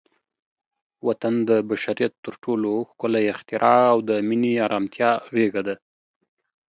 وطن د بشریت تر ټولو ښکلی اختراع او د مینې، ارامتیا غېږه ده.